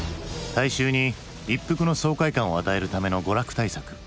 大衆に一服の爽快感を与えるための娯楽大作。